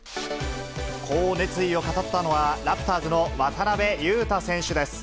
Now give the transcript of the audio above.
こう熱意を語ったのは、ラプターズの渡邊雄太選手です。